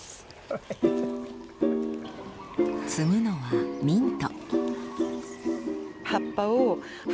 摘むのはミント。